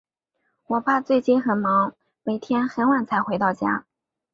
我爸最近很忙，每天很晚才回到家。